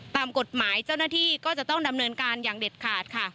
ตามกฎหมายเจ้าหน้าที่ก็จะต้องดำเนินการอย่างเด็ดขาดค่ะ